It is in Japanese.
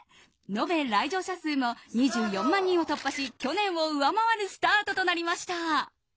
延べ来場者数も２４万人を突破し去年を上回るスタートとなりました。